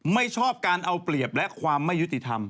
ไม่ชอบการเอาเปรียบและความไม่ยุติธรรม